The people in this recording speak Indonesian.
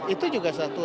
itu juga satu